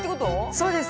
そうです。